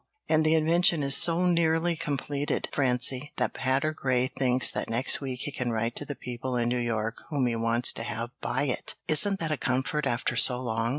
And the invention is so nearly completed, Francie, that Patergrey thinks that next week he can write to the people in New York whom he wants to have buy it. Isn't that a comfort, after so long?